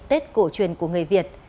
tết cổ truyền của người việt